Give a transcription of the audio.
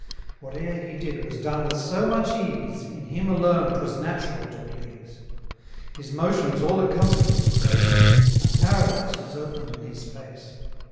Whate'er he did, was done with so much ease, In him alone 'twas natural to please: His motions all accompanied with grace; And Paradise was open'd in his face.